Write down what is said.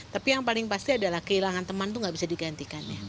tapi yang paling pasti adalah kehilangan teman itu nggak bisa digantikan ya